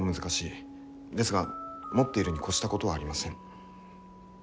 ですが持っているに越したことはありません。